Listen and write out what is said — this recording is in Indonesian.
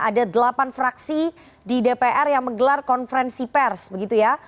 ada delapan fraksi di dpr yang menggelar konferensi pers begitu ya